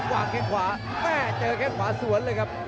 วางแข้งขวาแม่เจอแค่งขวาสวนเลยครับ